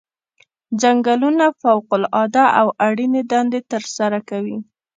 ځنګلونه فوق العاده او اړینې دندې ترسره کوي.